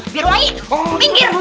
biar wangi minggir